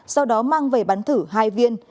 sau đó mang về bắn thử hai viên